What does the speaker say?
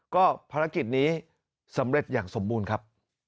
ก็ภารกิจนี้สำเร็จอย่างสมบูรณ์ครับ